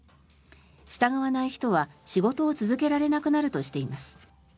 従わない人は仕事を続けられなくなるとしています。